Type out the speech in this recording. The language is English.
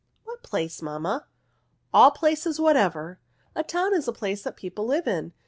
" What place, mamma?" " All places whatever. A town is a place that people live in."